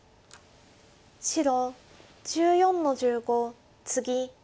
白１４の十五ツギ。